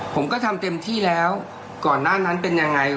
ผมก็ทำเต็มที่แล้วก่อนหน้านั้นเป็นยังไง